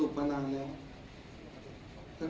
สรุปมานานแล้ว